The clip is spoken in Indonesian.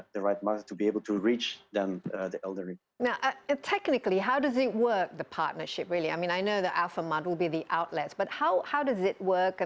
dan itu juga penting untuk memiliki partner yang dapat mencapai para konsumen seperti alphamart dan juga bank makanan indonesia